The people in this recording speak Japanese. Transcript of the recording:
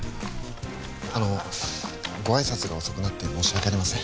あのご挨拶が遅くなって申し訳ありません